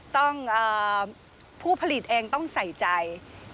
ผู้ผลิตเองต้องใส่ใจ